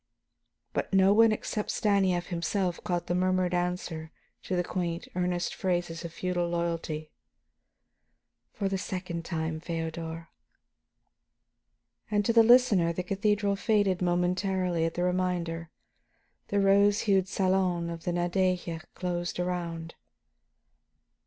But no one except Stanief himself caught the murmured answer to the quaint, earnest phrases of feudal loyalty: "For the second time, Feodor." And to the listener the cathedral faded momentarily at the reminder; the rose hued salon of the Nadeja closed around.